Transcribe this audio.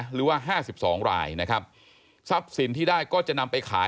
หรือว่า๕๒รายนะครับทรัพย์สินที่ได้ก็จะนำไปขาย